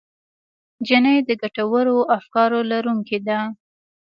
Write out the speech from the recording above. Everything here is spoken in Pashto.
نجلۍ د ګټورو افکارو لرونکې ده.